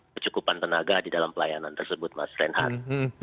kecukupan tenaga di dalam pelayanan tersebut mas reinhardt